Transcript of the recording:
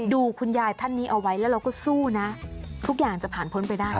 คุณยายท่านนี้เอาไว้แล้วเราก็สู้นะทุกอย่างจะผ่านพ้นไปได้